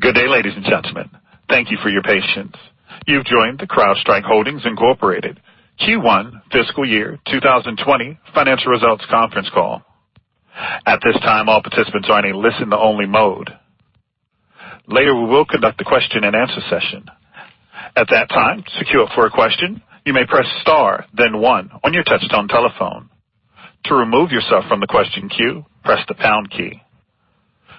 Good day, ladies and gentlemen. Thank you for your patience. You've joined the CrowdStrike Holdings, Inc. Q1 fiscal year 2020 financial results conference call. At this time, all participants are in a listen to only mode. Later, we will conduct a question and answer session. At that time, to queue up for a question, you may press star then one on your touchtone telephone. To remove yourself from the question queue, press the pound key.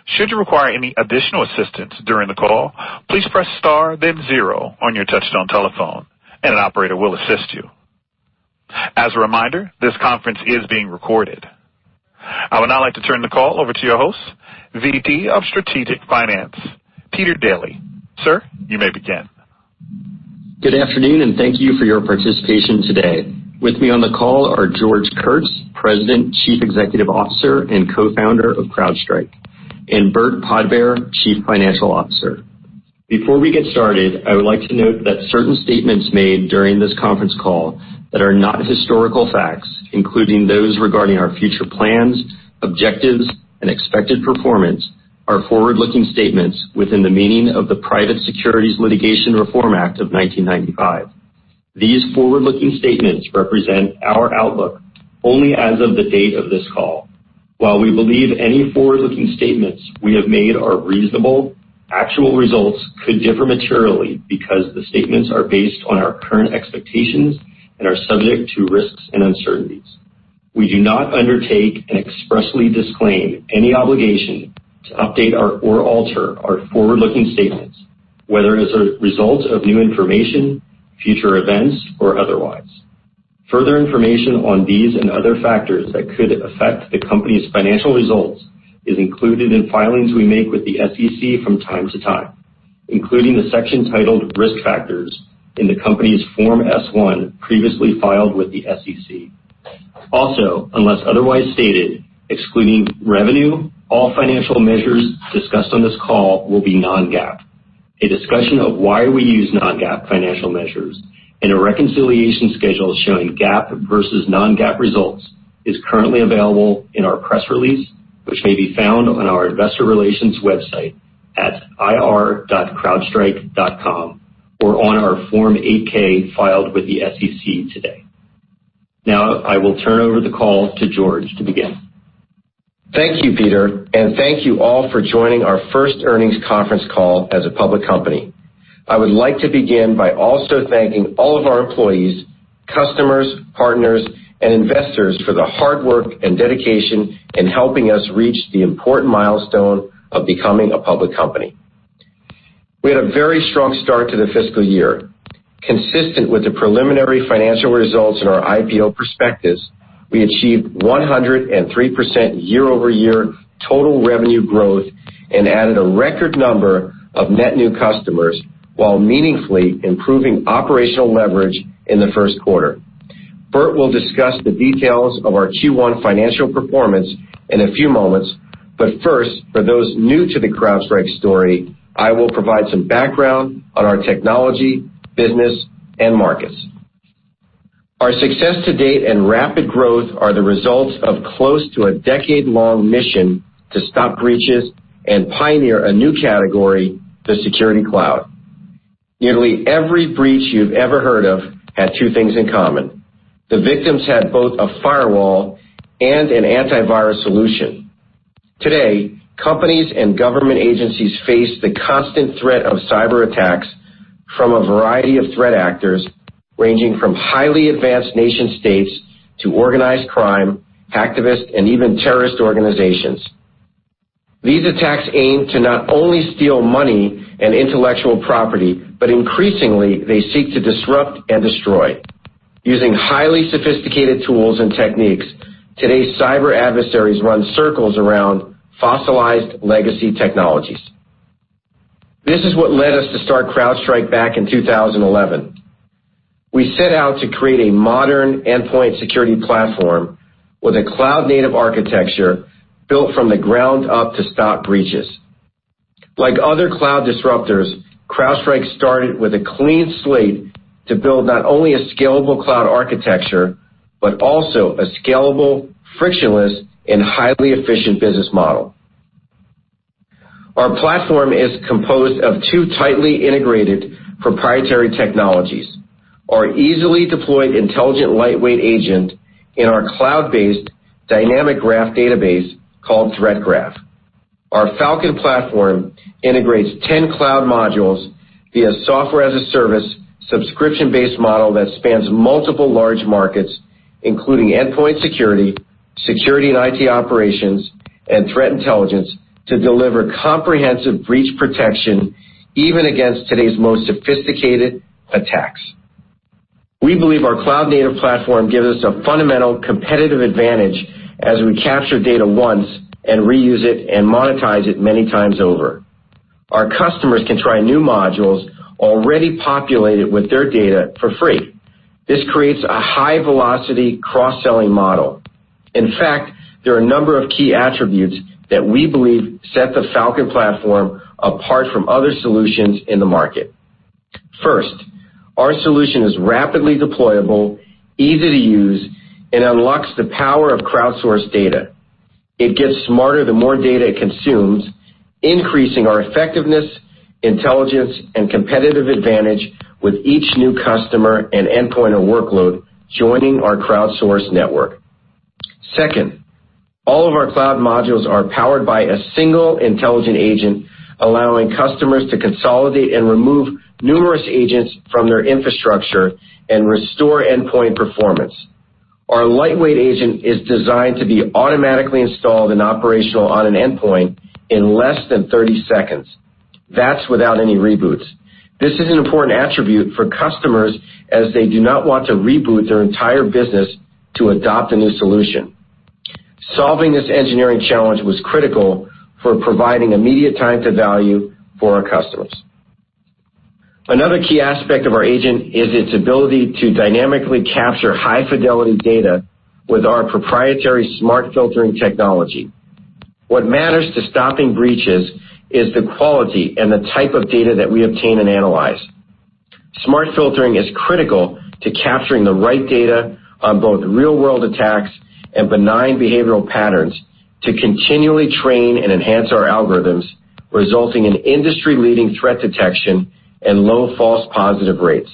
Should you require any additional assistance during the call, please press star then zero on your touchtone telephone, and an operator will assist you. As a reminder, this conference is being recorded. I would now like to turn the call over to your host, VP of Strategic Finance, Peter Daley. Sir, you may begin. Good afternoon. Thank you for your participation today. With me on the call are George Kurtz, President, Chief Executive Officer, and Co-founder of CrowdStrike, and Burt Podbere, Chief Financial Officer. Before we get started, I would like to note that certain statements made during this conference call that are not historical facts, including those regarding our future plans, objectives, and expected performance, are forward-looking statements within the meaning of the Private Securities Litigation Reform Act of 1995. These forward-looking statements represent our outlook only as of the date of this call. While we believe any forward-looking statements we have made are reasonable, actual results could differ materially because the statements are based on our current expectations and are subject to risks and uncertainties. We do not undertake and expressly disclaim any obligation to update or alter our forward-looking statements, whether as a result of new information, future events, or otherwise. Further information on these and other factors that could affect the company's financial results is included in filings we make with the SEC from time to time, including the section titled Risk Factors in the company's Form S-1 previously filed with the SEC. Also, unless otherwise stated, excluding revenue, all financial measures discussed on this call will be non-GAAP. A discussion of why we use non-GAAP financial measures and a reconciliation schedule showing GAAP versus non-GAAP results is currently available in our press release, which may be found on our investor relations website at ir.crowdstrike.com or on our Form 8-K filed with the SEC today. I will turn over the call to George to begin. Thank you, Peter. Thank you all for joining our first earnings conference call as a public company. I would like to begin by also thanking all of our employees, customers, partners, and investors for the hard work and dedication in helping us reach the important milestone of becoming a public company. We had a very strong start to the fiscal year. Consistent with the preliminary financial results in our IPO prospectus, we achieved 103% year-over-year total revenue growth and added a record number of net new customers while meaningfully improving operational leverage in the first quarter. Burt will discuss the details of our Q1 financial performance in a few moments. First, for those new to the CrowdStrike story, I will provide some background on our technology, business, and markets. Our success to date and rapid growth are the results of close to a decade-long mission to stop breaches and pioneer a new category, the security cloud. Nearly every breach you've ever heard of had two things in common. The victims had both a firewall and an antivirus solution. Today, companies and government agencies face the constant threat of cyberattacks from a variety of threat actors, ranging from highly advanced nation-states to organized crime, activists, and even terrorist organizations. These attacks aim to not only steal money and intellectual property, but increasingly, they seek to disrupt and destroy. Using highly sophisticated tools and techniques, today's cyber adversaries run circles around fossilized legacy technologies. This is what led us to start CrowdStrike back in 2011. We set out to create a modern endpoint security platform with a cloud-native architecture built from the ground up to stop breaches. Like other cloud disruptors, CrowdStrike started with a clean slate to build not only a scalable cloud architecture, but also a scalable, frictionless, and highly efficient business model. Our platform is composed of two tightly integrated proprietary technologies, our easily deployed intelligent lightweight agent and our cloud-based dynamic graph database called Threat Graph. Our Falcon platform integrates 10 cloud modules via software-as-a-service, subscription-based model that spans multiple large markets, including endpoint security and IT operations, and threat intelligence to deliver comprehensive breach protection even against today's most sophisticated attacks. We believe our cloud-native platform gives us a fundamental competitive advantage as we capture data once and reuse it and monetize it many times over. Our customers can try new modules already populated with their data for free. This creates a high-velocity cross-selling model. In fact, there are a number of key attributes that we believe set the Falcon platform apart from other solutions in the market. First, our solution is rapidly deployable, easy to use, and unlocks the power of crowdsourced data. It gets smarter the more data it consumes, increasing our effectiveness, intelligence, and competitive advantage with each new customer and endpoint or workload joining our crowdsourced network. Second, all of our cloud modules are powered by a single intelligent agent, allowing customers to consolidate and remove numerous agents from their infrastructure and restore endpoint performance. Our lightweight agent is designed to be automatically installed and operational on an endpoint in less than 30 seconds. That's without any reboots. This is an important attribute for customers as they do not want to reboot their entire business to adopt a new solution. Solving this engineering challenge was critical for providing immediate time to value for our customers. Another key aspect of our agent is its ability to dynamically capture high-fidelity data with our proprietary smart filtering technology. What matters to stopping breaches is the quality and the type of data that we obtain and analyze. Smart filtering is critical to capturing the right data on both real-world attacks and benign behavioral patterns to continually train and enhance our algorithms, resulting in industry-leading threat detection and low false positive rates.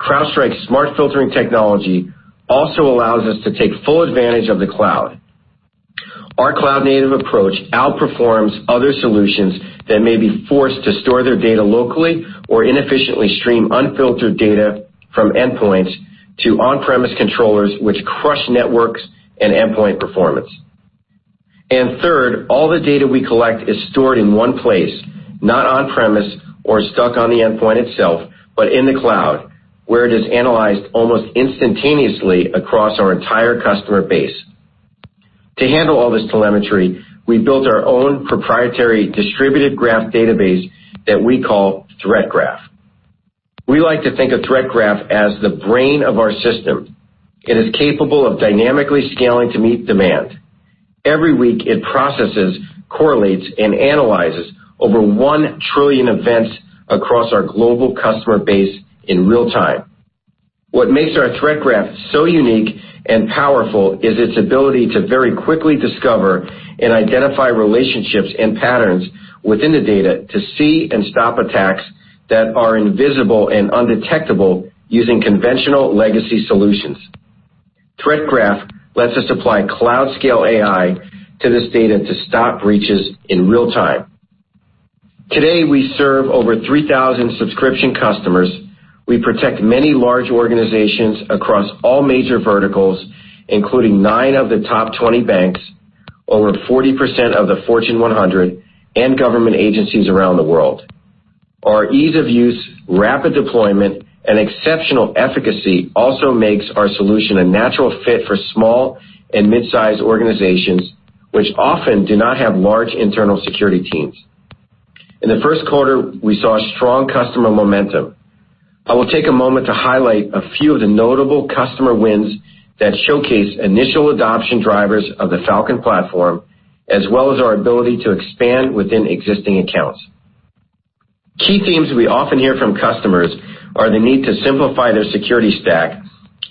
CrowdStrike's smart filtering technology also allows us to take full advantage of the cloud. Our cloud-native approach outperforms other solutions that may be forced to store their data locally or inefficiently stream unfiltered data from endpoints to on-premise controllers, which crush networks and endpoint performance. Third, all the data we collect is stored in one place, not on-premise or stuck on the endpoint itself, but in the cloud, where it is analyzed almost instantaneously across our entire customer base. To handle all this telemetry, we built our own proprietary distributed graph database that we call Threat Graph. We like to think of Threat Graph as the brain of our system. It is capable of dynamically scaling to meet demand. Every week, it processes, correlates, and analyzes over 1 trillion events across our global customer base in real time. What makes our Threat Graph so unique and powerful is its ability to very quickly discover and identify relationships and patterns within the data to see and stop attacks that are invisible and undetectable using conventional legacy solutions. Threat Graph lets us apply cloud-scale AI to this data to stop breaches in real time. Today, we serve over 3,000 subscription customers. We protect many large organizations across all major verticals, including nine of the top 20 banks, over 40% of the Fortune 100, and government agencies around the world. Our ease of use, rapid deployment, and exceptional efficacy also makes our solution a natural fit for small and mid-size organizations, which often do not have large internal security teams. In the first quarter, we saw strong customer momentum. I will take a moment to highlight a few of the notable customer wins that showcase initial adoption drivers of the Falcon Platform, as well as our ability to expand within existing accounts. Key themes we often hear from customers are the need to simplify their security stack,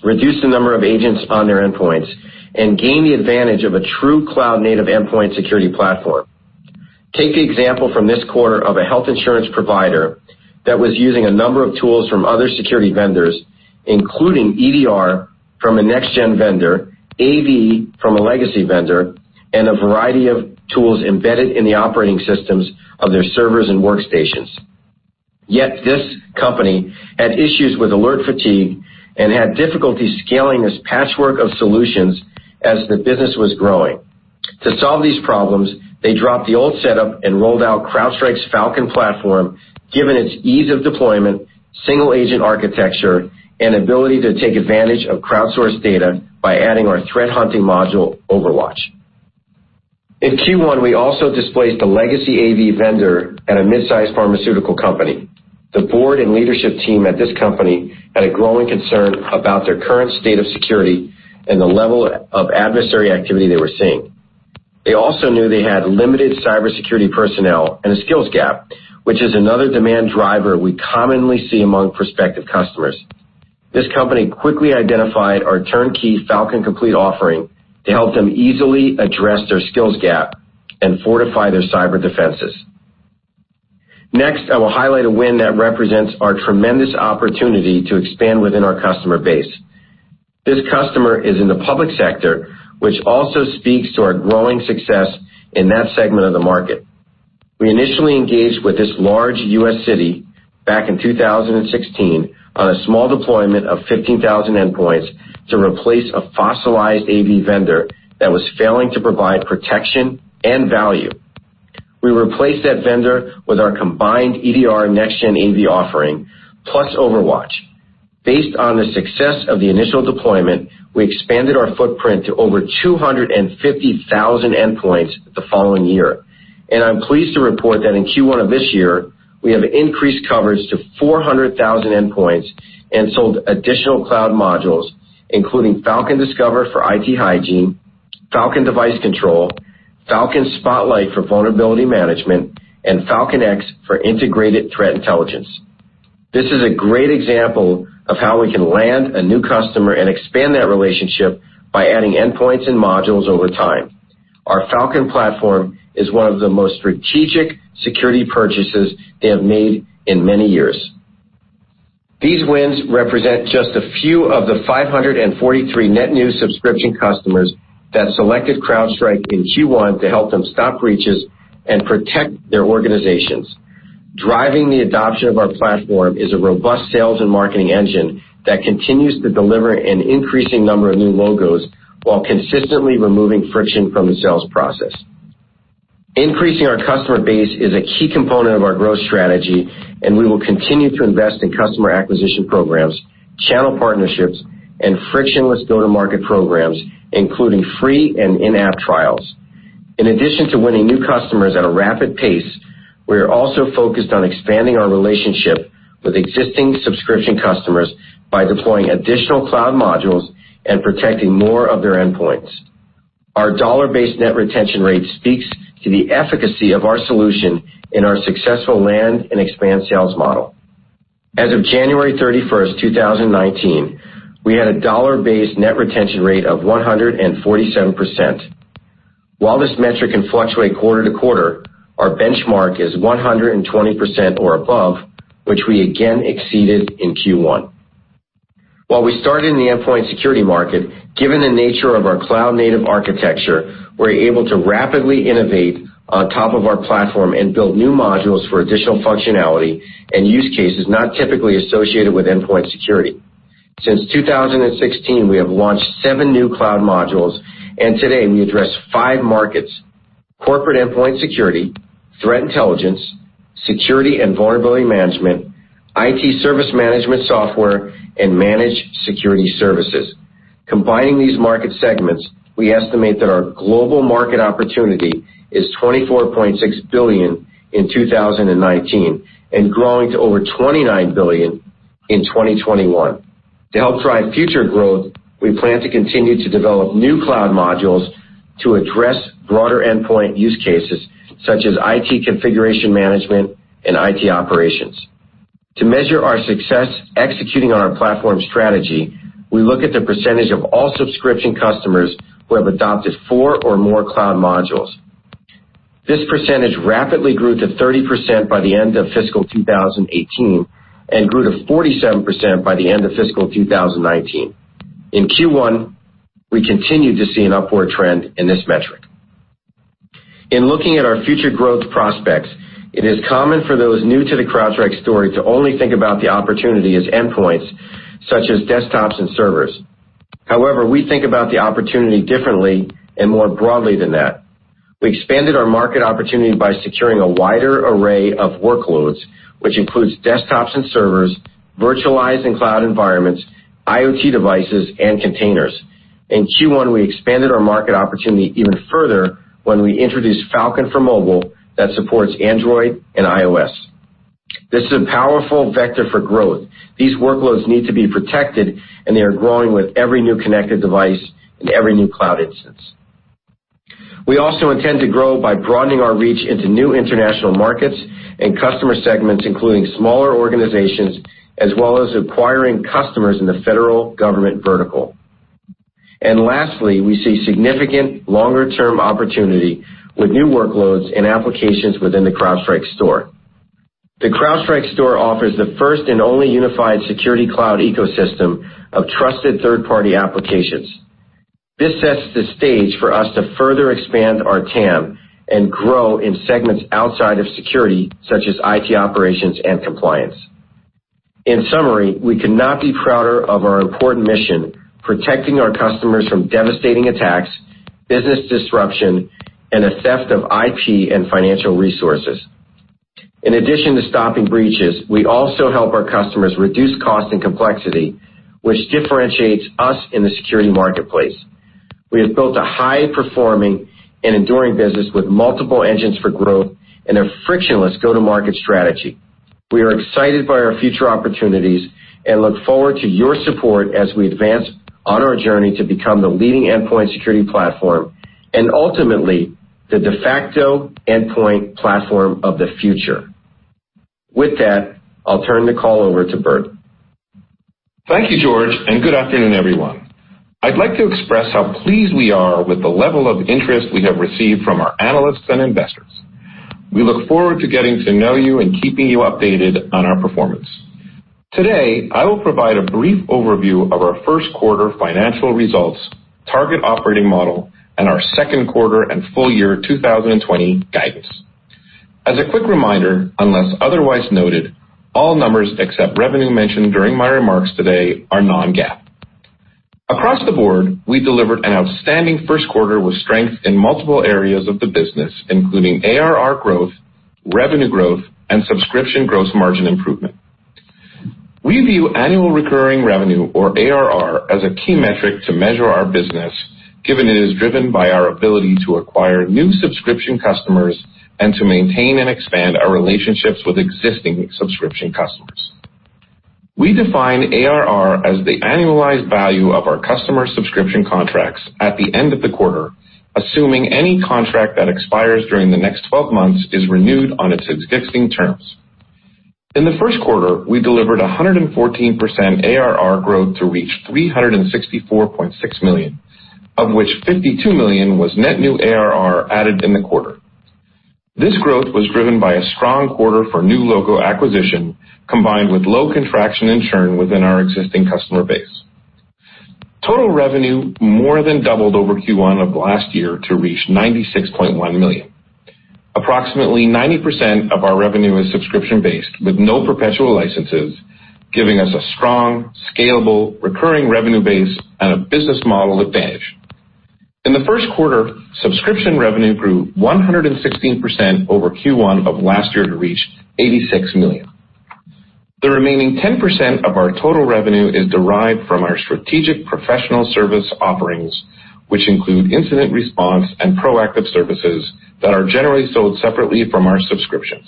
reduce the number of agents on their endpoints, and gain the advantage of a true cloud-native endpoint security platform. Take the example from this quarter of a health insurance provider that was using a number of tools from other security vendors, including EDR from a next-gen vendor, AV from a legacy vendor, and a variety of tools embedded in the operating systems of their servers and workstations. Yet this company had issues with alert fatigue and had difficulty scaling this patchwork of solutions as the business was growing. To solve these problems, they dropped the old setup and rolled out CrowdStrike's Falcon Platform, given its ease of deployment, single agent architecture, and ability to take advantage of crowdsourced data by adding our threat hunting module, OverWatch. In Q1, we also displaced a legacy AV vendor at a midsize pharmaceutical company. The board and leadership team at this company had a growing concern about their current state of security and the level of adversary activity they were seeing. They also knew they had limited cybersecurity personnel and a skills gap, which is another demand driver we commonly see among prospective customers. This company quickly identified our turnkey Falcon Complete offering to help them easily address their skills gap and fortify their cyber defenses. Next, I will highlight a win that represents our tremendous opportunity to expand within our customer base. This customer is in the public sector, which also speaks to our growing success in that segment of the market. We initially engaged with this large U.S. city back in 2016 on a small deployment of 15,000 endpoints to replace a fossilized AV vendor that was failing to provide protection and value. We replaced that vendor with our combined EDR next-gen AV offering, plus OverWatch. Based on the success of the initial deployment, we expanded our footprint to over 250,000 endpoints the following year, and I'm pleased to report that in Q1 of this year, we have increased coverage to 400,000 endpoints and sold additional cloud modules, including Falcon Discover for IT hygiene, Falcon Device Control, Falcon Spotlight for vulnerability management, and Falcon X for integrated threat intelligence. This is a great example of how we can land a new customer and expand that relationship by adding endpoints and modules over time. Our Falcon platform is one of the most strategic security purchases they have made in many years. These wins represent just a few of the 543 net new subscription customers that selected CrowdStrike in Q1 to help them stop breaches and protect their organizations. Driving the adoption of our platform is a robust sales and marketing engine that continues to deliver an increasing number of new logos while consistently removing friction from the sales process. Increasing our customer base is a key component of our growth strategy, and we will continue to invest in customer acquisition programs, channel partnerships, and frictionless go-to-market programs, including free and in-app trials. In addition to winning new customers at a rapid pace, we are also focused on expanding our relationship with existing subscription customers by deploying additional cloud modules and protecting more of their endpoints. Our dollar-based net retention rate speaks to the efficacy of our solution and our successful land and expand sales model. As of January 31st, 2019, we had a dollar-based net retention rate of 147%. While this metric can fluctuate quarter to quarter, our benchmark is 120% or above, which we again exceeded in Q1. While we started in the endpoint security market, given the nature of our cloud-native architecture, we're able to rapidly innovate on top of our platform and build new modules for additional functionality and use cases not typically associated with endpoint security. Since 2016, we have launched seven new cloud modules, and today we address five markets, corporate endpoint security, threat intelligence, security and vulnerability management, IT service management software, and managed security services. Combining these market segments, we estimate that our global market opportunity is $24.6 billion in 2019 and growing to over $29 billion in 2021. To help drive future growth, we plan to continue to develop new cloud modules to address broader endpoint use cases such as IT configuration management and IT operations. To measure our success executing on our platform strategy, we look at the percentage of all subscription customers who have adopted four or more cloud modules. This percentage rapidly grew to 30% by the end of fiscal 2018 and grew to 47% by the end of fiscal 2019. In Q1, we continued to see an upward trend in this metric. In looking at our future growth prospects, it is common for those new to the CrowdStrike story to only think about the opportunity as endpoints such as desktops and servers. However, we think about the opportunity differently and more broadly than that. We expanded our market opportunity by securing a wider array of workloads, which includes desktops and servers, virtualized and cloud environments, IoT devices, and containers. In Q1, we expanded our market opportunity even further when we introduced Falcon for Mobile that supports Android and iOS. This is a powerful vector for growth. These workloads need to be protected, and they are growing with every new connected device and every new cloud instance. We also intend to grow by broadening our reach into new international markets and customer segments, including smaller organizations, as well as acquiring customers in the federal government vertical. Lastly, we see significant longer-term opportunity with new workloads and applications within the CrowdStrike Store. The CrowdStrike Store offers the first and only unified security cloud ecosystem of trusted third-party applications. This sets the stage for us to further expand our TAM and grow in segments outside of security, such as IT operations and compliance. In summary, we cannot be prouder of our important mission, protecting our customers from devastating attacks, business disruption, and the theft of IP and financial resources. In addition to stopping breaches, we also help our customers reduce cost and complexity, which differentiates us in the security marketplace. We have built a high performing and enduring business with multiple engines for growth and a frictionless go-to-market strategy. We are excited by our future opportunities and look forward to your support as we advance on our journey to become the leading endpoint security platform and ultimately the de facto endpoint platform of the future. With that, I'll turn the call over to Burt. Thank you, George, and good afternoon, everyone. I'd like to express how pleased we are with the level of interest we have received from our analysts and investors. We look forward to getting to know you and keeping you updated on our performance. Today, I will provide a brief overview of our first quarter financial results, target operating model, and our second quarter and full year 2020 guidance. As a quick reminder, unless otherwise noted, all numbers except revenue mentioned during my remarks today are non-GAAP. Across the board, we delivered an outstanding first quarter with strength in multiple areas of the business, including ARR growth, revenue growth, and subscription gross margin improvement. We view annual recurring revenue, or ARR, as a key metric to measure our business, given it is driven by our ability to acquire new subscription customers and to maintain and expand our relationships with existing subscription customers. We define ARR as the annualized value of our customer subscription contracts at the end of the quarter, assuming any contract that expires during the next 12 months is renewed on its existing terms. In the first quarter, we delivered 114% ARR growth to reach $364.6 million, of which $52 million was net new ARR added in the quarter. This growth was driven by a strong quarter for new logo acquisition, combined with low contraction and churn within our existing customer base. Total revenue more than doubled over Q1 of last year to reach $96.1 million. Approximately 90% of our revenue is subscription-based, with no perpetual licenses, giving us a strong, scalable, recurring revenue base and a business model advantage. In the first quarter, subscription revenue grew 116% over Q1 of last year to reach $86 million. The remaining 10% of our total revenue is derived from our strategic professional service offerings, which include incident response and proactive services that are generally sold separately from our subscriptions.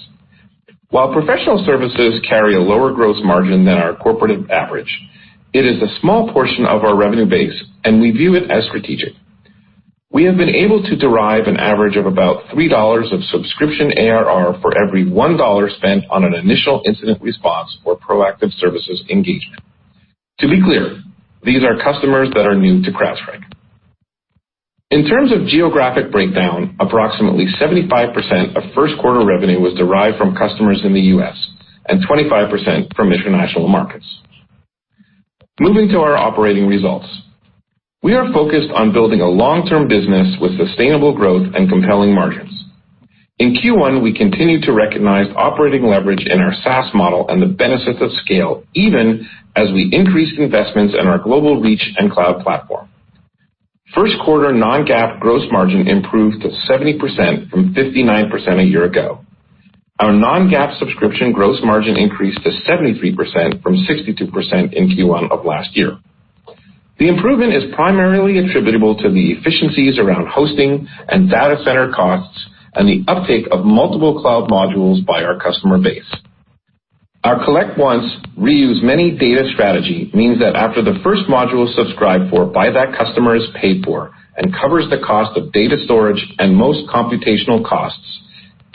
While professional services carry a lower gross margin than our corporate average, it is a small portion of our revenue base, and we view it as strategic. We have been able to derive an average of about $3 of subscription ARR for every $1 spent on an initial incident response or proactive services engagement. To be clear, these are customers that are new to CrowdStrike. In terms of geographic breakdown, approximately 75% of first quarter revenue was derived from customers in the U.S., and 25% from international markets. Moving to our operating results. We are focused on building a long-term business with sustainable growth and compelling margins. In Q1, we continued to recognize operating leverage in our SaaS model and the benefits of scale, even as we increased investments in our global reach and cloud platform. First quarter non-GAAP gross margin improved to 70% from 59% a year ago. Our non-GAAP subscription gross margin increased to 73%, from 62% in Q1 of last year. The improvement is primarily attributable to the efficiencies around hosting and data center costs and the uptake of multiple cloud modules by our customer base. Our collect once, reuse many data strategy means that after the first module subscribed for by that customer is paid for and covers the cost of data storage and most computational costs,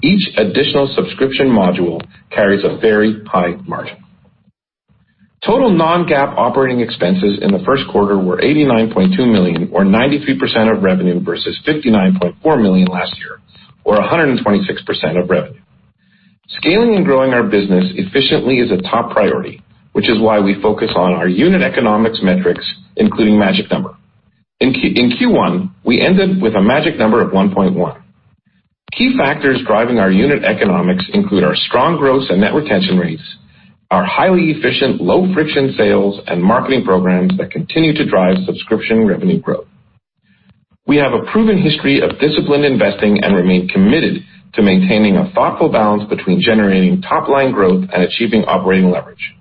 each additional subscription module carries a very high margin. Total non-GAAP operating expenses in the first quarter were $89.2 million, or 93% of revenue, versus $59.4 million last year, or 126% of revenue. Scaling and growing our business efficiently is a top priority, which is why we focus on our unit economics metrics, including magic number. In Q1, we ended with a magic number of 1.1. Key factors driving our unit economics include our strong growth and net retention rates, our highly efficient, low-friction sales and marketing programs that continue to drive subscription revenue growth. We have a proven history of disciplined investing and remain committed to maintaining a thoughtful balance between generating top-line growth and achieving operating leverage.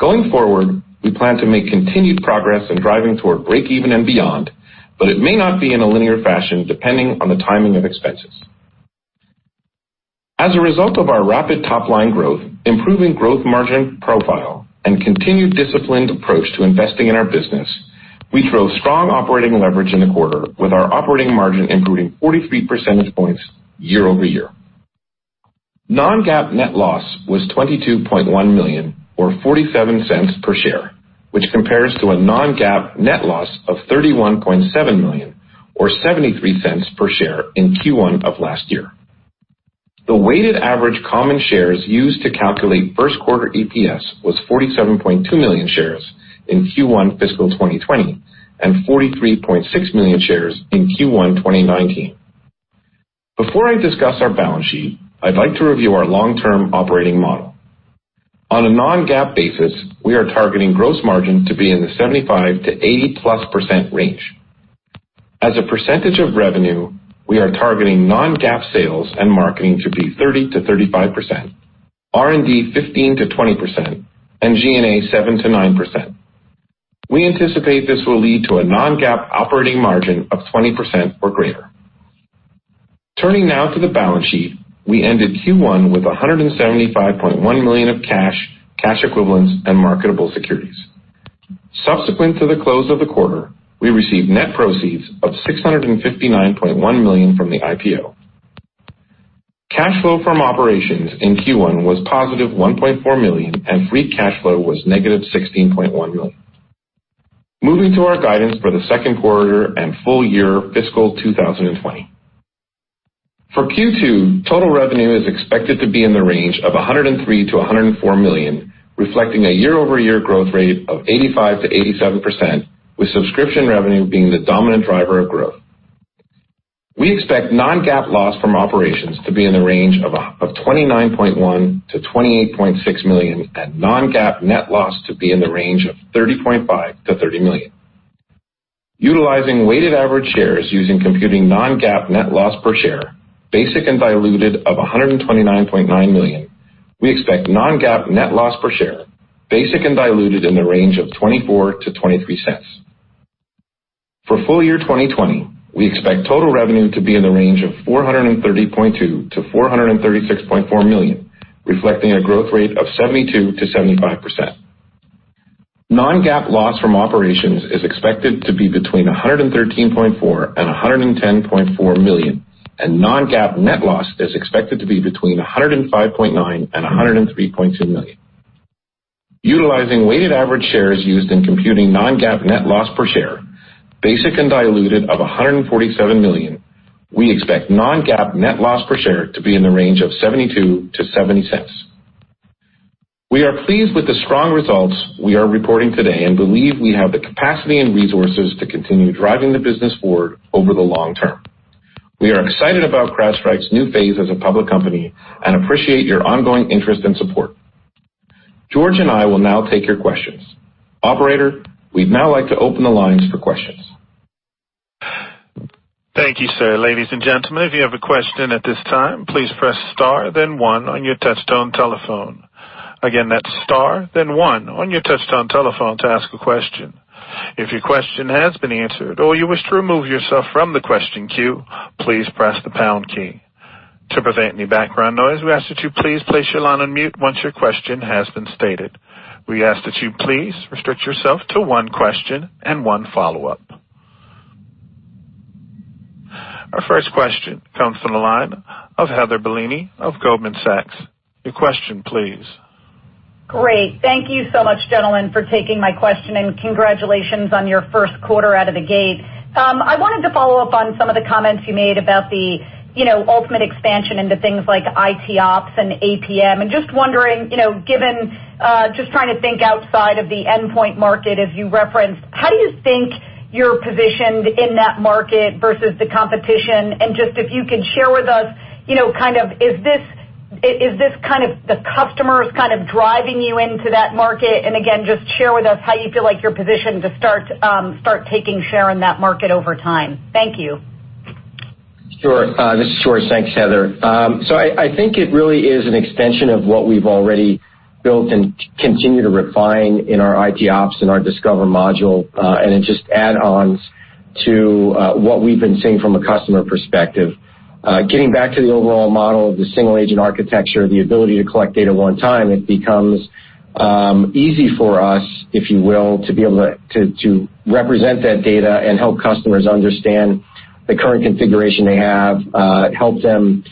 Going forward, we plan to make continued progress in driving toward breakeven and beyond, but it may not be in a linear fashion, depending on the timing of expenses. As a result of our rapid top-line growth, improving growth margin profile, and continued disciplined approach to investing in our business, we drove strong operating leverage in the quarter with our operating margin improving 43 percentage points year over year. Non-GAAP net loss was $22.1 million, or $0.47 per share, which compares to a non-GAAP net loss of $31.7 million or $0.73 per share in Q1 of last year. The weighted average common shares used to calculate first quarter EPS was 47.2 million shares in Q1 fiscal 2020 and 43.6 million shares in Q1 2019. Before I discuss our balance sheet, I'd like to review our long-term operating model. On a non-GAAP basis, we are targeting gross margin to be in the 75%-80%+ range. As a percentage of revenue, we are targeting non-GAAP sales and marketing to be 30%-35%, R&D 15%-20%, and G&A 7%-9%. We anticipate this will lead to a non-GAAP operating margin of 20% or greater. Turning now to the balance sheet. We ended Q1 with $175.1 million of cash equivalents, and marketable securities. Subsequent to the close of the quarter, we received net proceeds of $659.1 million from the IPO. Cash flow from operations in Q1 was +$1.4 million, and free cash flow was -$16.1 million. Moving to our guidance for the second quarter and full year fiscal 2020. For Q2, total revenue is expected to be in the range of $103 million-$104 million, reflecting a year-over-year growth rate of 85%-87%, with subscription revenue being the dominant driver of growth. We expect non-GAAP loss from operations to be in the range of $29.1 million-$28.6 million and non-GAAP net loss to be in the range of $30.5 million-$30 million. Utilizing weighted average shares using computing non-GAAP net loss per share, basic and diluted of 129.9 million, we expect non-GAAP net loss per share, basic and diluted in the range of $0.24-$0.23. For full year 2020, we expect total revenue to be in the range of $430.2 million-$436.4 million, reflecting a growth rate of 72%-75%. Non-GAAP loss from operations is expected to be between $113.4 million and $110.4 million, and non-GAAP net loss is expected to be between $105.9 million and $103.2 million. Utilizing weighted average shares used in computing non-GAAP net loss per share, basic and diluted of 147 million, we expect non-GAAP net loss per share to be in the range of $0.72-$0.70. We are pleased with the strong results we are reporting today and believe we have the capacity and resources to continue driving the business forward over the long term. We are excited about CrowdStrike's new phase as a public company and appreciate your ongoing interest and support. George and I will now take your questions. Operator, we'd now like to open the lines for questions. Thank you, sir. Ladies and gentlemen, if you have a question at this time, please press star then one on your touchtone telephone. Again, that's star then one on your touchtone telephone to ask a question. If your question has been answered or you wish to remove yourself from the question queue, please press the pound key. To prevent any background noise, we ask that you please place your line on mute once your question has been stated. We ask that you please restrict yourself to one question and one follow-up. Our first question comes from the line of Heather Bellini of Goldman Sachs. Your question please. Great. Thank you so much, gentlemen, for taking my question, and congratulations on your first quarter out of the gate. I wanted to follow up on some of the comments you made about the ultimate expansion into things like ITOps and APM. Just wondering, given just trying to think outside of the endpoint market as you referenced, how do you think you're positioned in that market versus the competition? Just if you could share with us, is this the customers driving you into that market? Again, just share with us how you feel like you're positioned to start taking share in that market over time. Thank you. Sure. This is George. Thanks, Heather. I think it really is an extension of what we've already built and continue to refine in our ITOps and our Discover module, and it just add-ons to what we've been seeing from a customer perspective. Getting back to the overall model of the single-agent architecture, the ability to collect data one time, it becomes easy for us, if you will, to be able to represent that data and help customers understand the current configuration they have, help them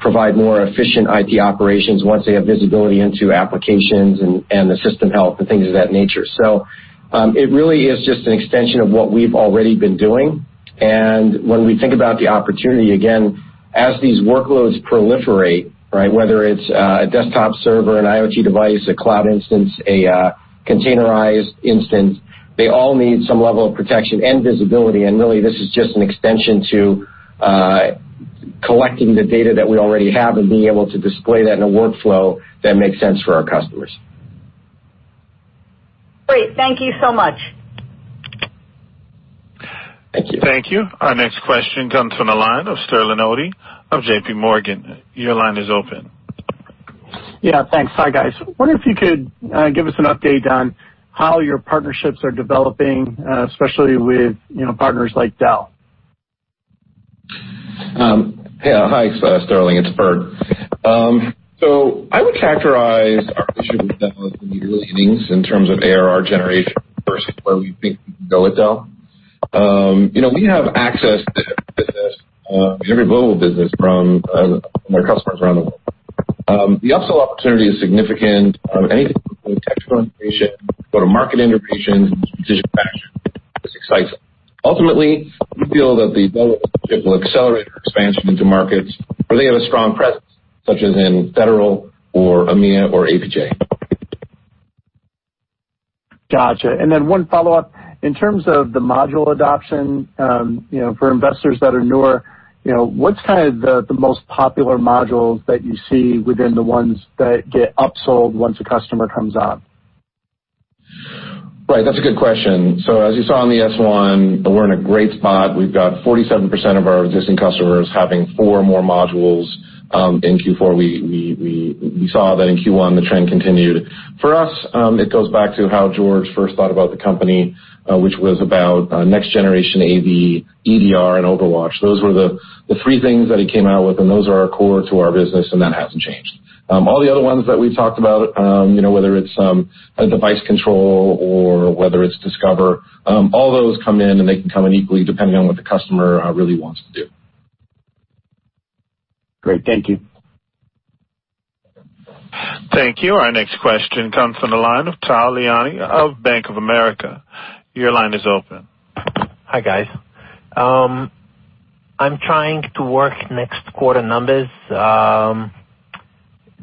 provide more efficient IT operations once they have visibility into applications and the system health and things of that nature. It really is just an extension of what we've already been doing. When we think about the opportunity, again, as these workloads proliferate, right? Whether it's a desktop server, an IoT device, a cloud instance, a containerized instance, they all need some level of protection and visibility. Really, this is just an extension to collecting the data that we already have and being able to display that in a workflow that makes sense for our customers. Great. Thank you so much. Thank you. Thank you. Our next question comes from the line of Sterling Auty of J.P. Morgan. Your line is open. Yeah. Thanks. Hi, guys. Wondering if you could give us an update on how your partnerships are developing, especially with partners like Dell. Yeah. Hi, Sterling, it's Burt. I would characterize our relationship with Dell as early innings in terms of ARR generation versus where we think we can go with Dell. We have access to their business and every global business from their customers around the world. The upsell opportunity is significant on anything from technical integration, go-to-market integration to decision fashion. It's exciting. Ultimately, we feel that the Dell relationship will accelerate our expansion into markets where they have a strong presence, such as in federal or EMEA or APJ. Gotcha. One follow-up. In terms of the module adoption, for investors that are newer, what's the most popular modules that you see within the ones that get upsold once a customer comes on? Right. That's a good question. As you saw in the S-1, we're in a great spot. We've got 47% of our existing customers having four more modules in Q4. We saw that in Q1, the trend continued. For us, it goes back to how George first thought about the company, which was about next generation AV, EDR, and OverWatch. Those were the three things that he came out with, those are core to our business, that hasn't changed. All the other ones that we've talked about, whether it's a device control or whether it's Discover, all those come in, they can come in equally depending on what the customer really wants to do. Great. Thank you. Thank you. Our next question comes from the line of Tal Liani of Bank of America. Your line is open. Hi, guys. I'm trying to work next quarter numbers.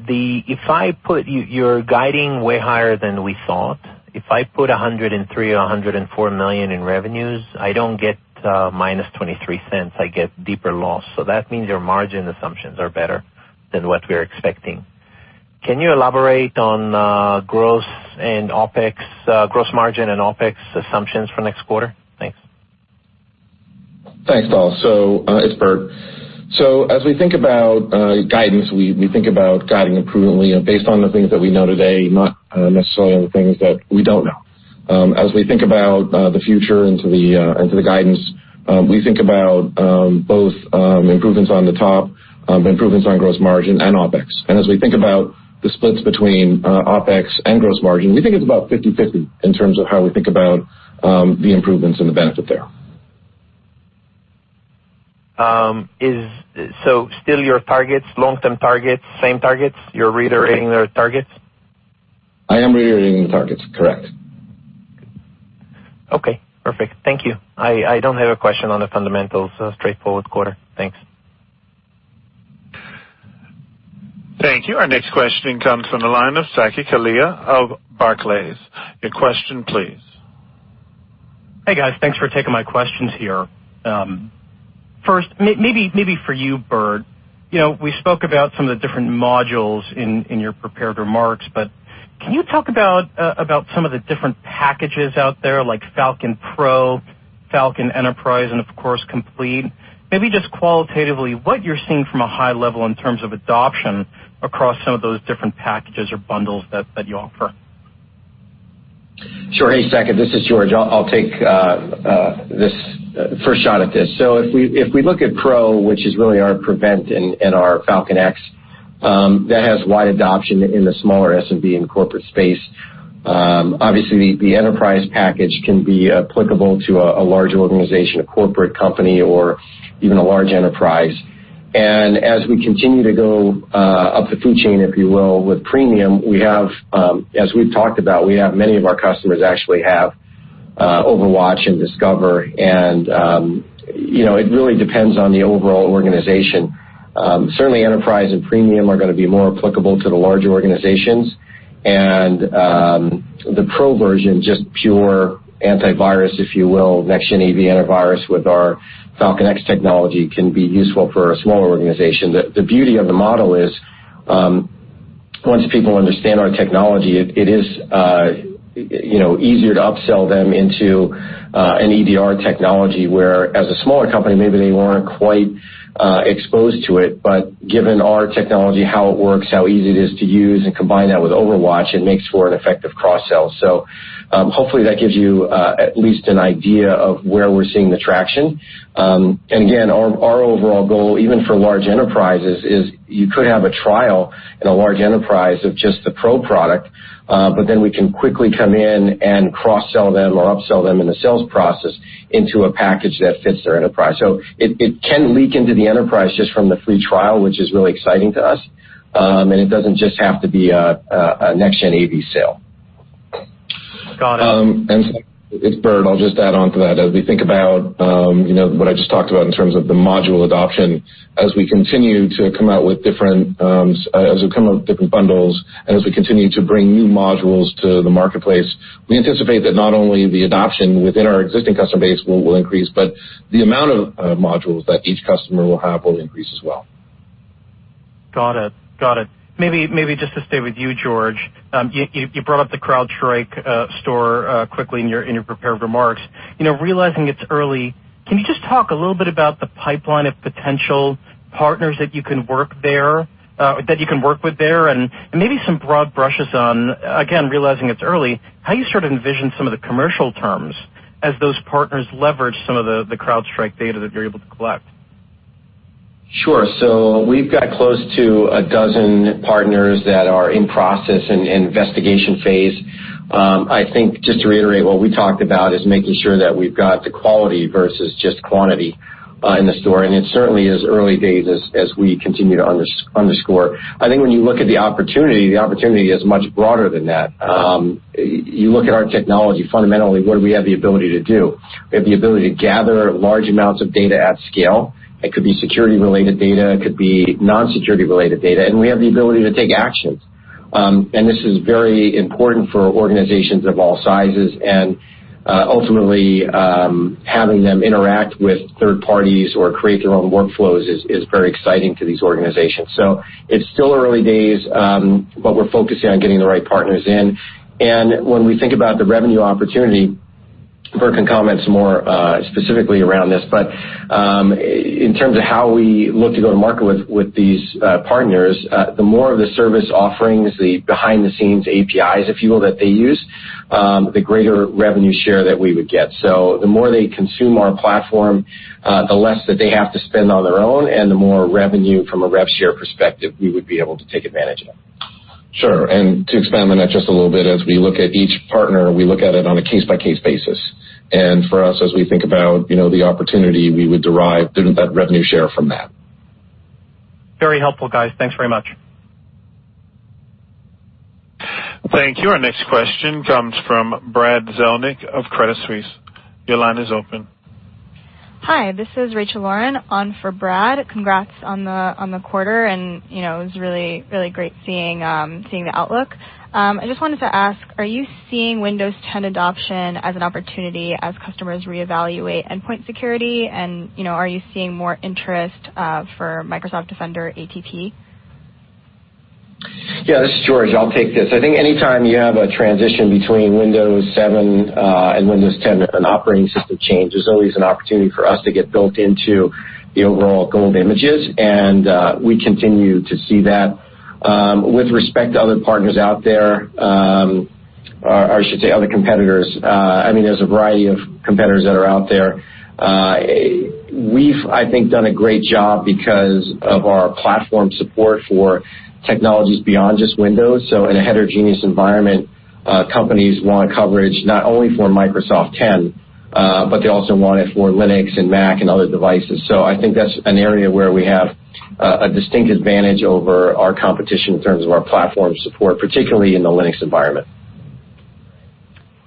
You're guiding way higher than we thought. If I put $103 million or $104 million in revenues, I don't get -$0.23. I get deeper loss. That means your margin assumptions are better than what we're expecting. Can you elaborate on gross margin and OpEx assumptions for next quarter? Thanks. Thanks, Tal. It's Burt. As we think about guidance, we think about guiding it prudently based on the things that we know today, not necessarily on the things that we don't know. As we think about the future into the guidance, we think about both improvements on the top, improvements on gross margin and OpEx. As we think about the splits between OpEx and gross margin, we think it's about 50/50 in terms of how we think about the improvements and the benefit there. Still your targets, long-term targets, same targets? You're reiterating their targets? I am reiterating the targets, correct. Okay, perfect. Thank you. I don't have a question on the fundamentals. Straightforward quarter. Thanks. Thank you. Our next questioning comes from the line of Saket Kalia of Barclays. Your question, please. Hey, guys. Thanks for taking my questions here. First, maybe for you, Burt, we spoke about some of the different modules in your prepared remarks, but can you talk about some of the different packages out there, like Falcon Pro, Falcon Enterprise, and of course, Complete? Maybe just qualitatively what you're seeing from a high level in terms of adoption across some of those different packages or bundles that you offer. Sure. Hey, Saket, this is George. I'll take the first shot at this. If we look at Pro, which is really our Prevent and our Falcon X, that has wide adoption in the smaller SMB and corporate space. Obviously, the Enterprise package can be applicable to a larger organization, a corporate company, or even a large enterprise. As we continue to go up the food chain, if you will, with Premium, as we've talked about, many of our customers actually have OverWatch and Discover, and it really depends on the overall organization. Certainly, Enterprise and Premium are going to be more applicable to the larger organizations, and the Pro version, just pure antivirus, if you will, next-gen AV antivirus with our Falcon X technology can be useful for a smaller organization. The beauty of the model is, once people understand our technology, it is easier to upsell them into an EDR technology, where as a smaller company, maybe they weren't quite exposed to it. Given our technology, how it works, how easy it is to use, and combine that with OverWatch, it makes for an effective cross-sell. Hopefully that gives you at least an idea of where we're seeing the traction. Again, our overall goal, even for large enterprises, is you could have a trial in a large enterprise of just the Pro product, then we can quickly come in and cross-sell them or upsell them in the sales process into a package that fits their enterprise. It can leak into the enterprise just from the free trial, which is really exciting to us. It doesn't just have to be a next-gen AV sale. Got it. It's Burt. I'll just add on to that. As we think about what I just talked about in terms of the module adoption, as we come out with different bundles, as we continue to bring new modules to the marketplace, we anticipate that not only the adoption within our existing customer base will increase, the amount of modules that each customer will have will increase as well. Got it. Maybe just to stay with you, George, you brought up the CrowdStrike Store quickly in your prepared remarks. Realizing it's early, can you just talk a little bit about the pipeline of potential partners that you can work with there and maybe some broad brushes on, again, realizing it's early, how you envision some of the commercial terms as those partners leverage some of the CrowdStrike data that you're able to collect? Sure. We've got close to a dozen partners that are in process in investigation phase. I think just to reiterate what we talked about is making sure that we've got the quality versus just quantity in the Store. It certainly is early days as we continue to underscore. I think when you look at the opportunity, the opportunity is much broader than that. You look at our technology fundamentally, what do we have the ability to do? We have the ability to gather large amounts of data at scale. It could be security-related data, it could be non-security related data, and we have the ability to take actions. This is very important for organizations of all sizes, and ultimately, having them interact with third parties or create their own workflows is very exciting to these organizations. It's still early days, but we're focusing on getting the right partners in. When we think about the revenue opportunity, Burt can comment more specifically around this. In terms of how we look to go to market with these partners, the more of the service offerings, the behind-the-scenes APIs, if you will, that they use, the greater revenue share that we would get. The more they consume our platform, the less that they have to spend on their own and the more revenue from a rev share perspective we would be able to take advantage of. Sure. To expand on that just a little bit, as we look at each partner, we look at it on a case-by-case basis. For us, as we think about the opportunity we would derive that revenue share from that. Very helpful, guys. Thanks very much. Thank you. Our next question comes from Brad Zelnick of Credit Suisse. Your line is open. Hi, this is Rachel Lauren on for Brad. Congrats on the quarter, and it was really great seeing the outlook. I just wanted to ask, are you seeing Windows 10 adoption as an opportunity as customers reevaluate endpoint security? Are you seeing more interest for Microsoft Defender ATP? Yeah, this is George. I'll take this. I think anytime you have a transition between Windows 7 and Windows 10, an operating system change, there's always an opportunity for us to get built into the overall gold images. We continue to see that. With respect to other partners out there, or I should say other competitors, there's a variety of competitors that are out there. We've, I think, done a great job because of our platform support for technologies beyond just Windows. In a heterogeneous environment, companies want coverage not only for Windows 10, but they also want it for Linux and Mac and other devices. I think that's an area where we have a distinct advantage over our competition in terms of our platform support, particularly in the Linux environment.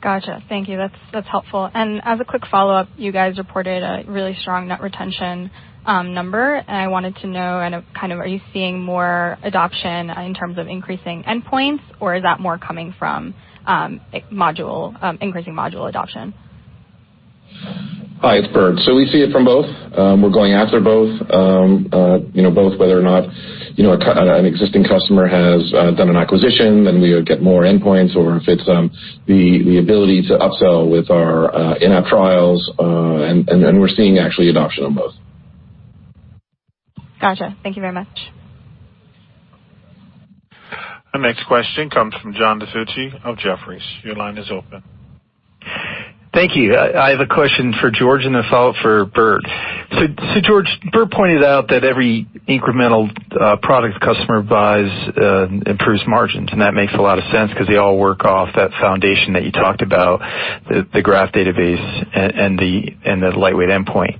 Got you. Thank you. That's helpful. As a quick follow-up, you guys reported a really strong net retention number, and I wanted to know, are you seeing more adoption in terms of increasing endpoints, or is that more coming from increasing module adoption? Hi, it's Burt. We see it from both. We're going after both. Whether or not an existing customer has done an acquisition, then we would get more endpoints or if it's the ability to upsell with our in-app trials, and we're seeing actually adoption on both. Got you. Thank you very much. Our next question comes from John DiFucci of Jefferies. Your line is open. Thank you. I have a question for George and a follow-up for Burt. George, Burt pointed out that every incremental product a customer buys improves margins, and that makes a lot of sense because they all work off that foundation that you talked about, the Threat Graph database and the lightweight endpoint.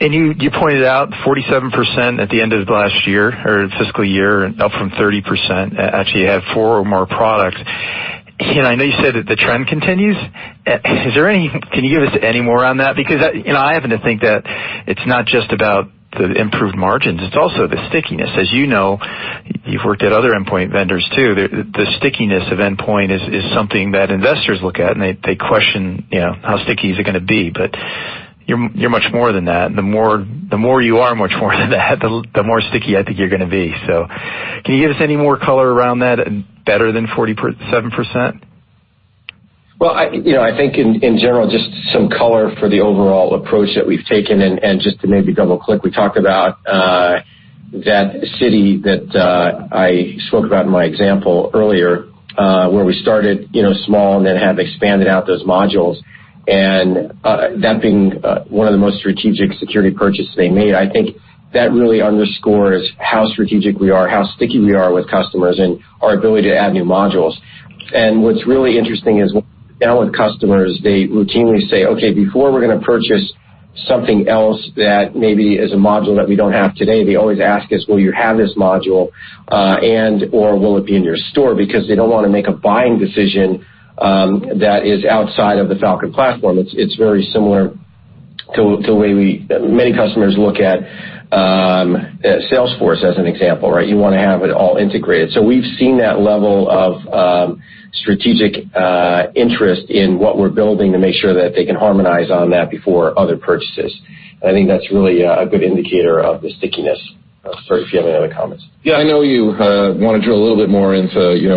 You pointed out 47% at the end of last year or fiscal year and up from 30%, actually had four or more products. I know you said that the trend continues. Can you give us any more on that? I happen to think that it's not just about the improved margins, it's also the stickiness. As you know, you've worked at other endpoint vendors too. The stickiness of endpoint is something that investors look at, and they question how sticky is it going to be. You're much more than that. The more you are much more than that, the more sticky I think you're going to be. Can you give us any more color around that, better than 47%? I think in general, just some color for the overall approach that we've taken and just to maybe double-click, we talked about that city that I spoke about in my example earlier, where we started small and then have expanded out those modules, and that being one of the most strategic security purchases they made. I think that really underscores how strategic we are, how sticky we are with customers, and our ability to add new modules. What's really interesting is now with customers, they routinely say, "Okay, before we're going to purchase something else that maybe is a module that we don't have today," they always ask us, "Well, you have this module, and/or will it be in your store?" Because they don't want to make a buying decision that is outside of the Falcon platform. It's very similar to way many customers look at Salesforce as an example, right? You want to have it all integrated. We've seen that level of strategic interest in what we're building to make sure that they can harmonize on that before other purchases. I think that's really a good indicator of the stickiness. Burt, if you have any other comments. Yeah. I know you want to drill a little bit more into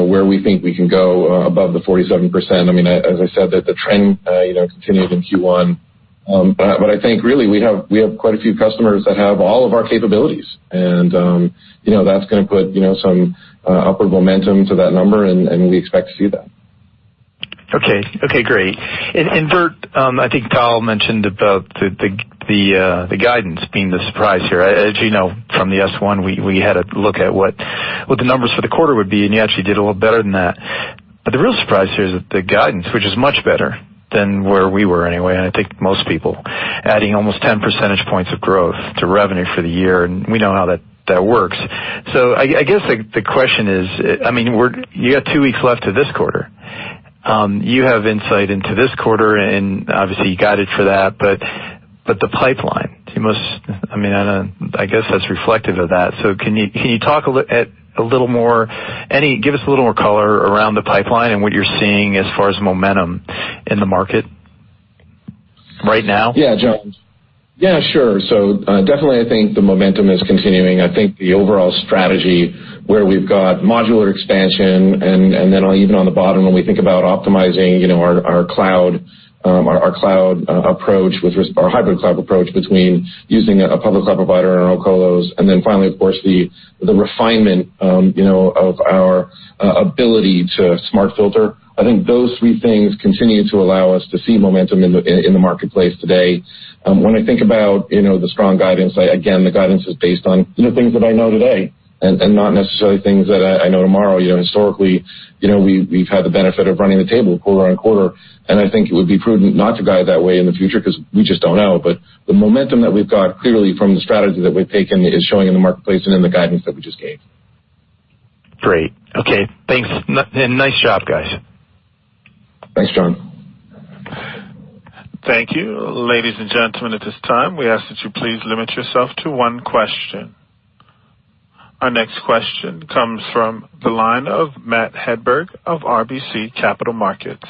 where we think we can go above the 47%. As I said, the trend continued in Q1. I think really we have quite a few customers that have all of our capabilities, and that's going to put some upward momentum to that number, and we expect to see that. Okay. Great. Burt, I think Kyle mentioned about the guidance being the surprise here. As you know, from the S-1, we had a look at what the numbers for the quarter would be, and you actually did a little better than that. The real surprise here is that the guidance, which is much better than where we were anyway, and I think most people, adding almost 10 percentage points of growth to revenue for the year, and we know how that works. I guess the question is, you got two weeks left to this quarter. You have insight into this quarter, and obviously, you got it for that, but the pipeline, I guess that's reflective of that. Can you talk a little more, give us a little more color around the pipeline and what you're seeing as far as momentum in the market right now? Yeah, John. Sure. Definitely I think the momentum is continuing. I think the overall strategy where we've got modular expansion and then even on the bottom when we think about optimizing our hybrid cloud approach between using a public cloud provider and our own colos, and then finally, of course, the refinement of our ability to smart filter. I think those three things continue to allow us to see momentum in the marketplace today. When I think about the strong guidance, again, the guidance is based on the things that I know today and not necessarily things that I know tomorrow. Historically, we've had the benefit of running the table quarter on quarter, and I think it would be prudent not to guide that way in the future because we just don't know. The momentum that we've got clearly from the strategy that we've taken is showing in the marketplace and in the guidance that we just gave. Great. Okay. Thanks, and nice job, guys. Thanks, John. Thank you. Ladies and gentlemen, at this time, we ask that you please limit yourself to one question. Our next question comes from the line of Matt Hedberg of RBC Capital Markets.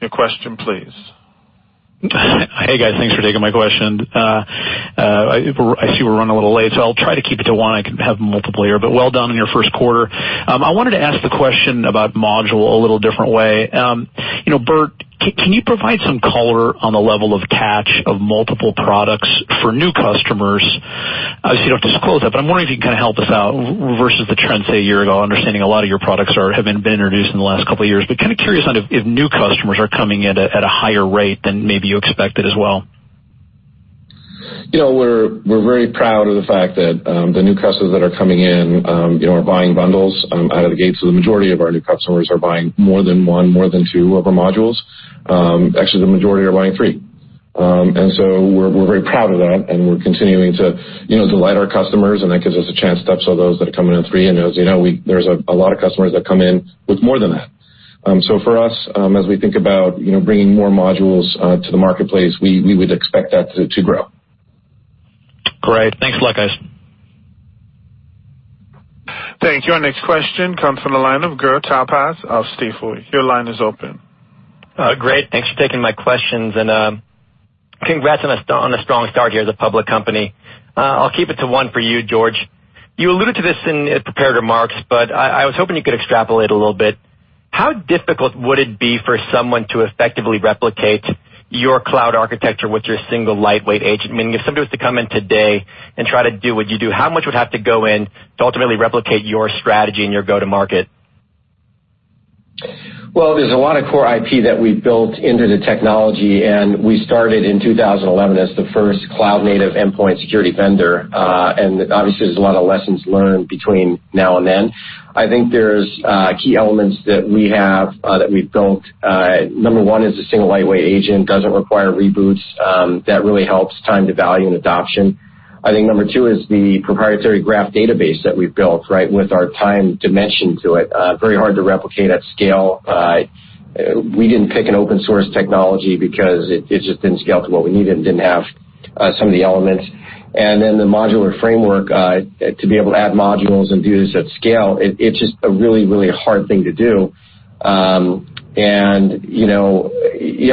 Your question, please. Hey, guys. Thanks for taking my question. I see we're running a little late, so I'll try to keep it to one. I can have multiple here, but well done on your first quarter. I wanted to ask the question about module a little different way. Burt, can you provide some color on the level of attach of multiple products for new customers? Obviously, you don't have to disclose that, but I'm wondering if you can help us out versus the trends a year ago, understanding a lot of your products have been introduced in the last couple of years, but curious on if new customers are coming in at a higher rate than maybe you expected as well. We're very proud of the fact that the new customers that are coming in are buying bundles out of the gate. The majority of our new customers are buying more than one, more than two of our modules. Actually, the majority are buying three. We're very proud of that, and we're continuing to delight our customers, and that gives us a chance to upsell those that are coming in at three. As you know, there's a lot of customers that come in with more than that. For us, as we think about bringing more modules to the marketplace, we would expect that to grow. Great. Thanks for luck, guys. Thank you. Our next question comes from the line of Gur Talpaz of Stifel. Your line is open. Great. Thanks for taking my questions. Congrats on the strong start here as a public company. I'll keep it to one for you, George. You alluded to this in prepared remarks, but I was hoping you could extrapolate a little bit. How difficult would it be for someone to effectively replicate your cloud architecture with your single lightweight agent? Meaning, if someone was to come in today and try to do what you do, how much would have to go in to ultimately replicate your strategy and your go-to-market? Well, there's a lot of core IP that we've built into the technology. We started in 2011 as the first cloud-native endpoint security vendor. Obviously, there's a lot of lessons learned between now and then. I think there's key elements that we have that we've built. Number one is the single lightweight agent. Doesn't require reboots. That really helps time to value and adoption. I think number two is the proprietary graph database that we've built with our time dimension to it. Very hard to replicate at scale. We didn't pick an open source technology because it just didn't scale to what we needed and didn't have some of the elements. Then the modular framework to be able to add modules and do this at scale, it's just a really, really hard thing to do. You have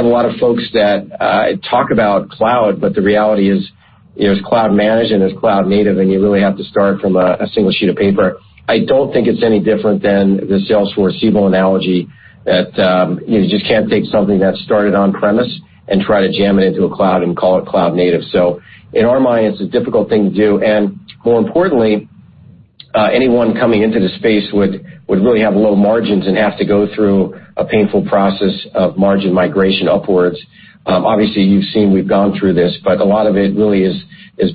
a lot of folks that talk about cloud, but the reality is there's cloud managed and there's cloud native, and you really have to start from a single sheet of paper. I don't think it's any different than the Salesforce Siebel analogy that you just can't take something that started on-premise and try to jam it into a cloud and call it cloud native. In our mind, it's a difficult thing to do, and more importantly, anyone coming into the space would really have low margins and have to go through a painful process of margin migration upwards. Obviously, you've seen we've gone through this, but a lot of it really is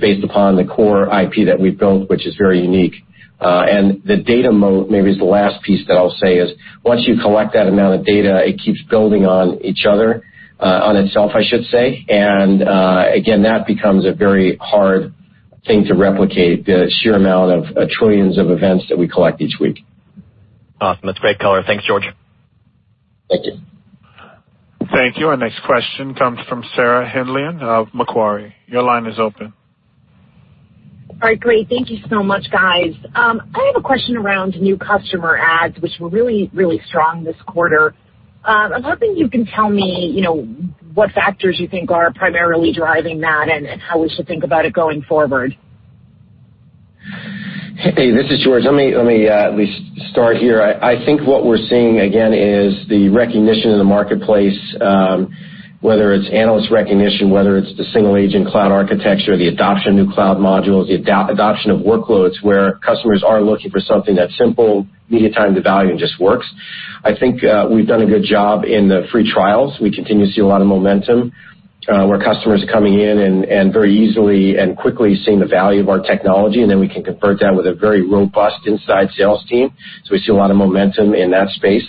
based upon the core IP that we've built, which is very unique. The data moat, maybe is the last piece that I'll say, is once you collect that amount of data, it keeps building on each other, on itself, I should say. Again, that becomes a very hard thing to replicate, the sheer amount of trillions of events that we collect each week. Awesome. That's great color. Thanks, George. Thank you. Thank you. Our next question comes from Sarah Hindlian of Macquarie. Your line is open. All right, great. Thank you so much, guys. I have a question around new customer adds, which were really, really strong this quarter. I was hoping you can tell me what factors you think are primarily driving that and how we should think about it going forward. Hey, this is George. Let me at least start here. I think what we're seeing again is the recognition in the marketplace, whether it's analyst recognition, whether it's the single agent cloud architecture, the adoption of new cloud modules, the adoption of workloads where customers are looking for something that's simple, immediate time to value, and just works. I think we've done a good job in the free trials. We continue to see a lot of momentum, where customers are coming in and very easily and quickly seeing the value of our technology, and then we can convert that with a very robust inside sales team. We see a lot of momentum in that space.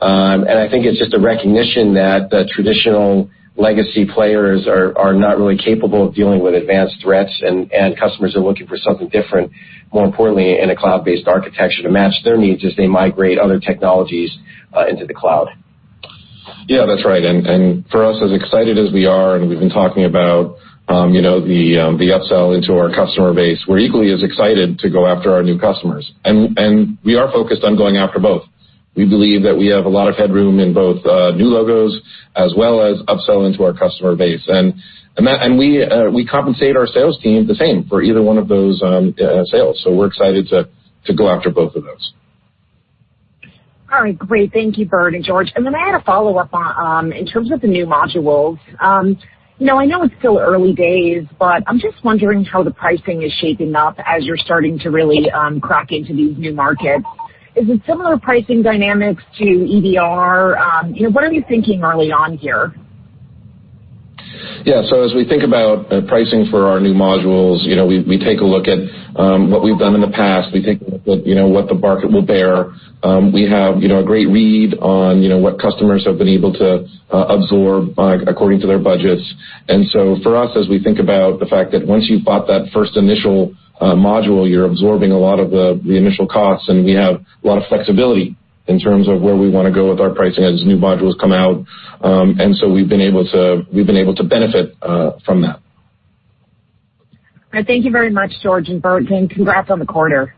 I think it's just a recognition that the traditional legacy players are not really capable of dealing with advanced threats and customers are looking for something different, more importantly, in a cloud-based architecture to match their needs as they migrate other technologies into the cloud. For us, as excited as we are, and we've been talking about the upsell into our customer base, we're equally as excited to go after our new customers. We are focused on going after both. We believe that we have a lot of headroom in both new logos as well as upsell into our customer base. We compensate our sales team the same for either one of those sales. We're excited to go after both of those. All right, great. Thank you, Burt and George. I had a follow-up in terms of the new modules. I know it's still early days, but I'm just wondering how the pricing is shaping up as you're starting to really crack into these new markets. Is it similar pricing dynamics to EDR? What are we thinking early on here? As we think about pricing for our new modules, we take a look at what we've done in the past. We think about what the market will bear. We have a great read on what customers have been able to absorb according to their budgets. For us, as we think about the fact that once you've bought that first initial module, you're absorbing a lot of the initial costs, and we have a lot of flexibility in terms of where we want to go with our pricing as new modules come out. We've been able to benefit from that. All right. Thank you very much, George and Burt, and congrats on the quarter.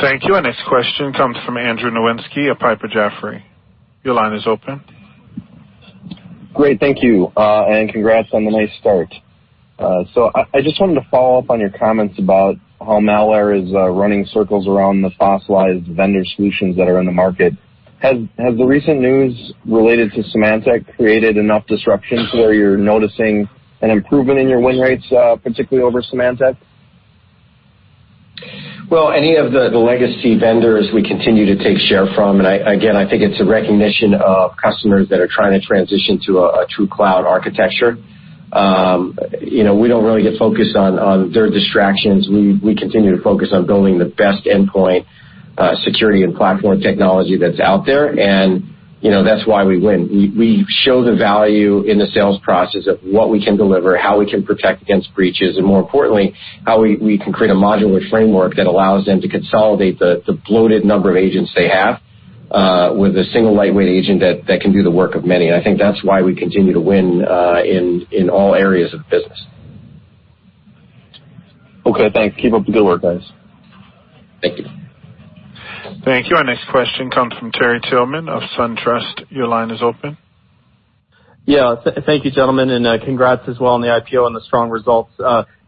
Thank you. Our next question comes from Andrew Nowinski of Piper Jaffray. Your line is open. Great. Thank you, congrats on the nice start. I just wanted to follow up on your comments about how malware is running circles around the fossilized vendor solutions that are in the market. Has the recent news related to Symantec created enough disruption to where you're noticing an improvement in your win rates, particularly over Symantec? Well, any of the legacy vendors we continue to take share from, again, I think it's a recognition of customers that are trying to transition to a true cloud architecture. We don't really get focused on their distractions. We continue to focus on building the best endpoint security and platform technology that's out there, that's why we win. We show the value in the sales process of what we can deliver, how we can protect against breaches, more importantly, how we can create a modular framework that allows them to consolidate the bloated number of agents they have with a single lightweight agent that can do the work of many. I think that's why we continue to win in all areas of the business. Okay, thanks. Keep up the good work, guys. Thank you. Thank you. Our next question comes from Terry Tillman of SunTrust. Your line is open. Yeah. Thank you, gentlemen, and congrats as well on the IPO and the strong results.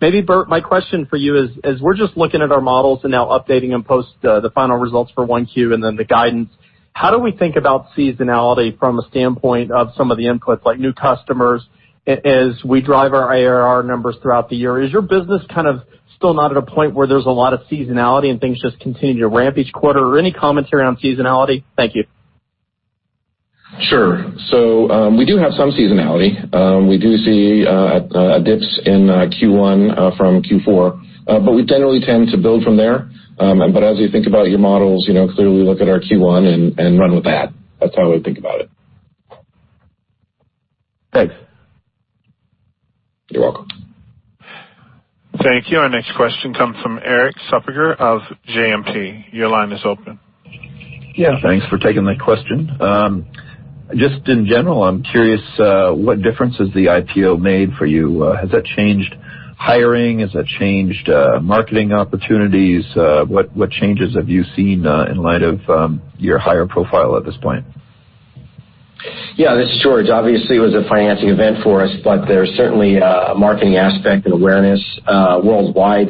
Maybe, Burt, my question for you is, as we're just looking at our models and now updating them post the final results for 1Q and then the guidance, how do we think about seasonality from a standpoint of some of the inputs like new customers as we drive our ARR numbers throughout the year? Is your business kind of still not at a point where there's a lot of seasonality and things just continue to ramp each quarter, or any commentary on seasonality? Thank you. Sure. We do have some seasonality. We do see dips in Q1 from Q4, we generally tend to build from there. As you think about your models, clearly look at our Q1 and run with that. That's how I would think about it. Thanks. You're welcome. Thank you. Our next question comes from Erik Suppiger of JMP. Your line is open. Thanks for taking my question. Just in general, I'm curious what difference has the IPO made for you. Has that changed hiring? Has that changed marketing opportunities? What changes have you seen in light of your higher profile at this point? This is George. Obviously, it was a financing event for us, but there's certainly a marketing aspect and awareness worldwide.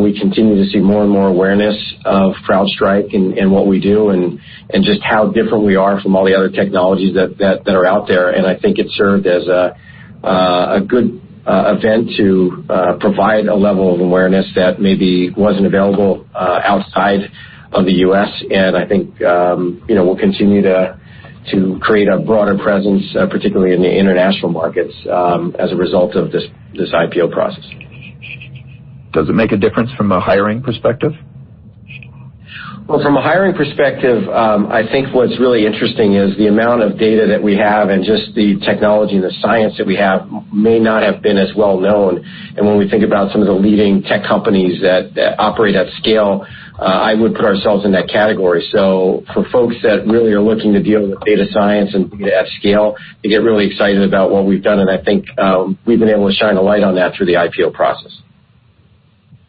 We continue to see more and more awareness of CrowdStrike and what we do and just how different we are from all the other technologies that are out there. I think it served as a good event to provide a level of awareness that maybe wasn't available outside of the U.S., and I think we'll continue to create a broader presence, particularly in the international markets, as a result of this IPO process. Does it make a difference from a hiring perspective? Well, from a hiring perspective, I think what's really interesting is the amount of data that we have and just the technology and the science that we have may not have been as well known. When we think about some of the leading tech companies that operate at scale, I would put ourselves in that category. For folks that really are looking to deal with data science and data at scale, they get really excited about what we've done, and I think we've been able to shine a light on that through the IPO process.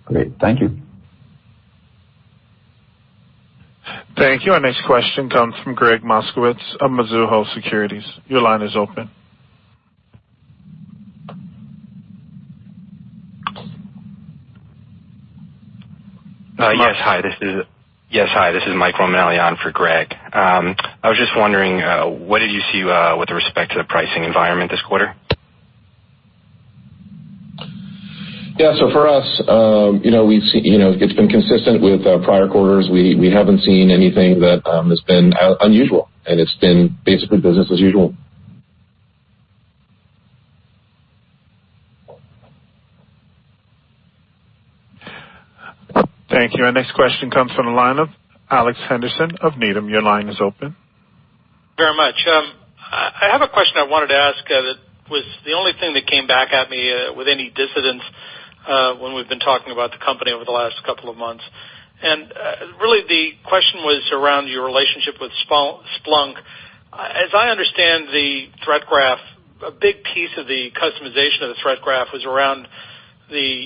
Great. Thank you. Thank you. Our next question comes from Gregg Moskowitz of Mizuho Securities. Your line is open. Yes, hi. This is Mike Romanelli on for Gregg Moskowitz. I was just wondering, what did you see with respect to the pricing environment this quarter? Yeah, for us, it's been consistent with prior quarters. We haven't seen anything that has been unusual, and it's been basically business as usual. Thank you. Our next question comes from the line of Alex Henderson of Needham. Your line is open. Very much. I have a question I wanted to ask that was the only thing that came back at me with any dissonance when we've been talking about the company over the last couple of months. Really the question was around your relationship with Splunk. As I understand the Threat Graph, a big piece of the customization of the Threat Graph was around the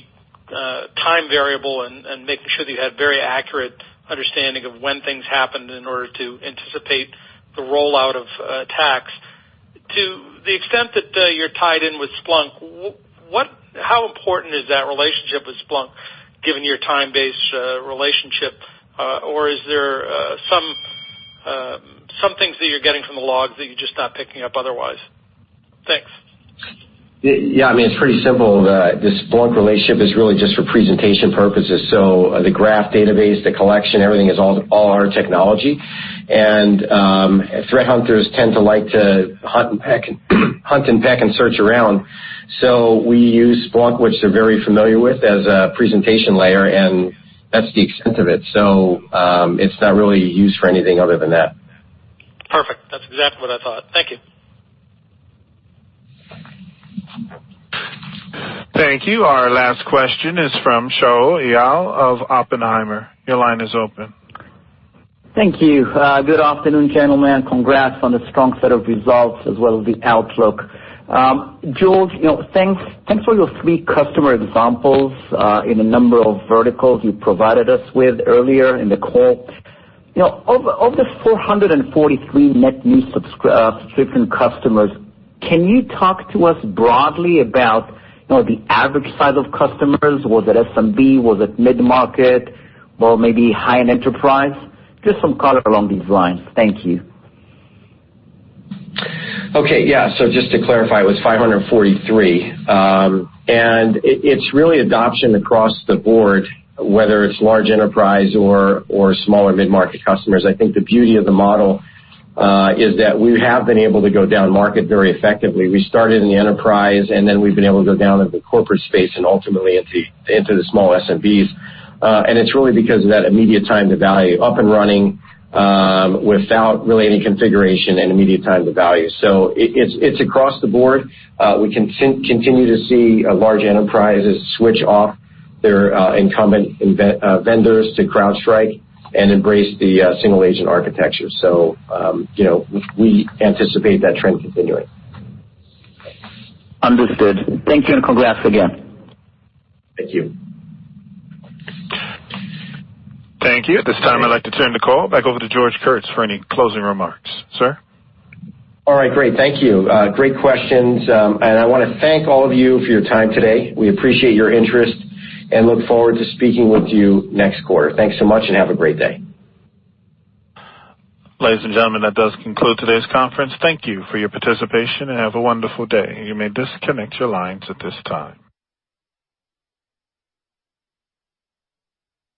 time variable and making sure that you had very accurate understanding of when things happened in order to anticipate the rollout of attacks. To the extent that you're tied in with Splunk, how important is that relationship with Splunk given your time-based relationship? Or is there some things that you're getting from the logs that you're just not picking up otherwise? Thanks. Yeah, it's pretty simple. The Splunk relationship is really just for presentation purposes. The graph database, the collection, everything is all our technology. Threat hunters tend to like to hunt and peck and search around. We use Splunk, which they're very familiar with, as a presentation layer, and that's the extent of it. It's not really used for anything other than that. Perfect. That's exactly what I thought. Thank you. Thank you. Our last question is from Shaul Eyal of Oppenheimer. Your line is open. Thank you. Good afternoon, gentlemen. Congrats on the strong set of results as well as the outlook. George, thanks for your three customer examples in a number of verticals you provided us with earlier in the call. Of the 443 net new subscription customers, can you talk to us broadly about the average size of customers? Was it SMB? Was it mid-market? Or maybe high-end enterprise? Just some color along these lines. Thank you. Just to clarify, it was 543 net new subscription customers. It's really adoption across the board, whether it's large enterprise or small or mid-market customers. I think the beauty of the model is that we have been able to go down market very effectively. We started in the enterprise, and then we've been able to go down into the corporate space and ultimately into the small SMBs. It's really because of that immediate time to value, up and running without really any configuration and immediate time to value. It's across the board. We continue to see large enterprises switch off their incumbent vendors to CrowdStrike and embrace the single-agent architecture. We anticipate that trend continuing. Understood. Thank you. Congrats again. Thank you. Thank you. At this time, I'd like to turn the call back over to George Kurtz for any closing remarks. Sir. All right, great. Thank you. Great questions. I want to thank all of you for your time today. We appreciate your interest and look forward to speaking with you next quarter. Thanks so much and have a great day. Ladies and gentlemen, that does conclude today's conference. Thank you for your participation and have a wonderful day. You may disconnect your lines at this time.